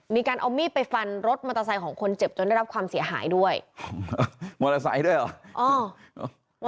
มีการเอามีดไปฟันรถมอเตอร์ไซค์ของคนเจ็บจนได้รับความเสียหายด้วยมอเตอร์ไซค์ด้วยเหรอ